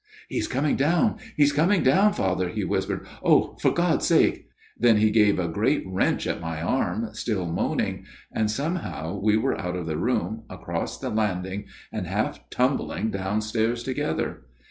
' He is coming down, he is coming down, Father,' he whispered. ' Oh ! for God's sake !' Then he gave a great wrench at my arm, still moaning ; and somehow we were out of the room, across the landing, and half tumbling downstairs together.